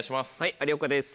有岡です。